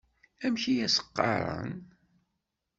Amek i as-qqaren?